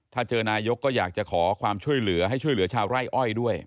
ถ้าเจอนายกก็อยากจะขอความช่วยเหลือให้ช่วยเหลือชาวไร่อ้อยด้วย